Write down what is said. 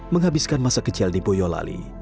menghabiskan masa kecil di boyolali